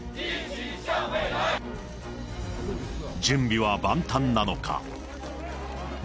準備は万端なのか。